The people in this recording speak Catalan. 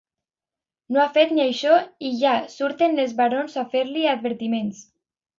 No ha fet ni això i ja surten els barons a fer-li advertiments.